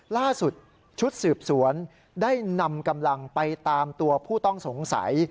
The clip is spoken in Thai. ล่าสุดชุดสืบสวนได้นำกำลังไปตามตัวผู้ต้องสงสัย